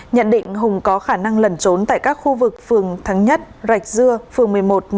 nhận định hùng có khả năng lẩn trốn tại các khu vực phường thắng nhất rạch dưa phường một mươi một một mươi